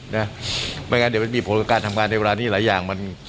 นะไม่อย่างเดี๋ยวมันมีผลการทำการในเวลานี้หลายอย่าง